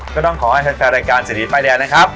ก็ต้องขอให้แฟนรายการเศรษฐีป้ายแดงนะครับ